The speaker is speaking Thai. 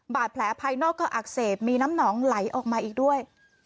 บาดแผลภายนอกก็อักเสบมีน้ำหนองไหลออกมาอีกด้วย